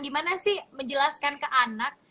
gimana sih menjelaskan ke anak